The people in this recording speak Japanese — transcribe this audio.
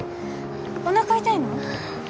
おなか痛いの？